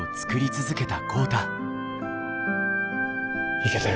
いけてる。